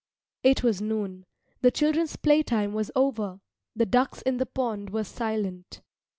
It was noon. The children's playtime was over; the ducks in the pond were silent.